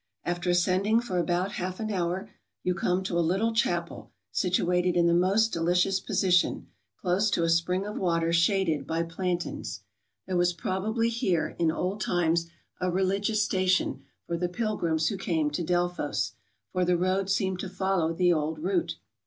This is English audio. After ascending for about half an hour, you come to a little chapel situated in the most delicious position, close to a spring of water shaded by plantains. There was probably here in old PARNASSUS. 171 times a religious station for the pilgrims who came to Delphos, for the road seemed to follow the old route.